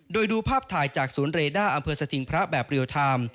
โดยดูภาพถ่ายจากศูนย์เรด้าอำเภอสถิงพระแบบเรียลไทม์